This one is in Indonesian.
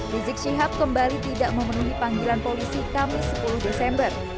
rizik syihab kembali tidak memenuhi panggilan polisi kamis sepuluh desember